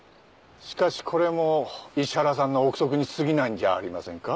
しかしこれも石原さんの憶測にすぎないんじゃありませんか？